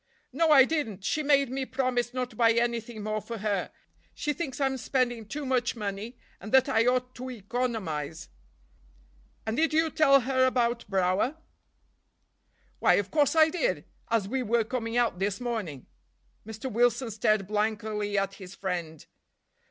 "No, I didn't. She made me promise not to buy anything more for her; she thinks I'm spending too much money, and that I ought to economize." "And did you tell her about Brower?" "Why, of course I did—as we were coming out this morning." Mr. Wilson stared blankly at his friend.